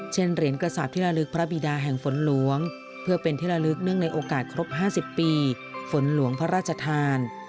เหรียญกระสาปที่ระลึกพระบิดาแห่งฝนหลวงเพื่อเป็นที่ระลึกเนื่องในโอกาสครบ๕๐ปีฝนหลวงพระราชทาน